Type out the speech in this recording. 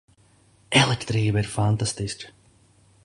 Elektrība ir fantastiska!